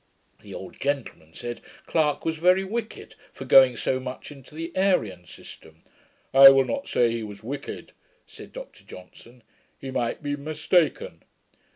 The old gentleman said, Clarke was very wicked, for going so much into the Arian system. 'I will not say he was wicked,' said Dr Johnson; 'he might be mistaken.'